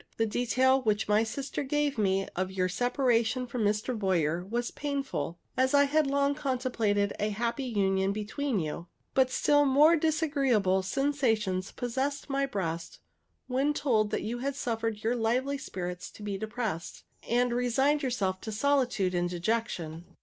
The detail which my sister gave me of your separation from Mr. Boyer was painful, as I had long contemplated a happy union between you; but still more disagreeable sensations possessed my breast when told that you had suffered your lively spirits to be depressed, and resigned yourself to solitude and dejection.